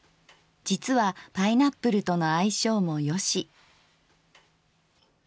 実はパイナップルとの相性も良し。